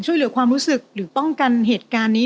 ช่วยเหลือความรู้สึกหรือป้องกันเหตุการณ์นี้